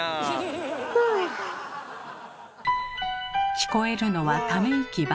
聞こえるのはため息ばかり。